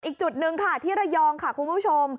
อีกจุดหนึ่งค่ะที่ระยองค่ะคุณผู้ชม